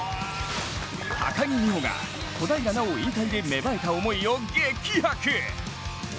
高木美帆が小平奈緒引退で芽生えた思いを激白。